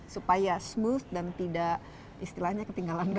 supaya smooth dan tidak istilahnya ketinggalan